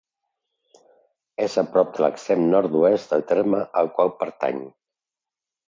És a prop de l'extrem nord-oest del terme al qual pertany.